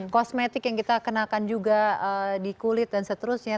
kosmetik yang kita kenakan juga di kulit dan seterusnya